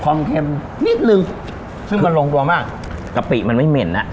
เค็มนิดนึงซึ่งมันลงตัวมากกะปิมันไม่เหม็นอ่ะ